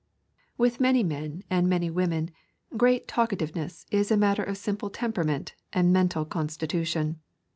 With many men and many women great talkativeness is a matter of simple temperament and mental constitution.